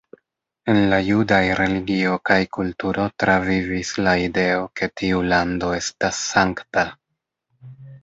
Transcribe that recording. En la judaj religio kaj kulturo travivis la ideo ke tiu lando estas sankta.